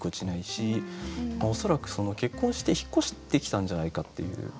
恐らく結婚して引っ越してきたんじゃないかっていう。